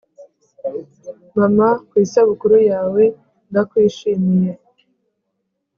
mama, ku isabukuru yawe, ndakwishimiye